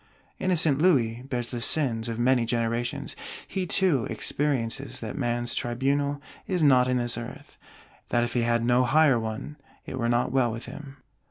Innocent Louis bears the sins of many generations: he too experiences that man's tribunal is not in this Earth; that if he had no Higher one, it were not well with him.